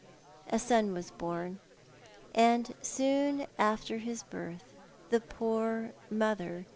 A son was born, and soon after his birth the poor t^n t7 ^T*.?'